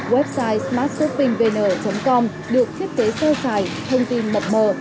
website smartshoppingvn com được thiết kế sâu dài thông tin mật mờ